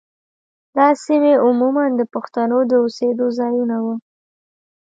دا سیمې عموماً د پښتنو د اوسېدو ځايونه وو.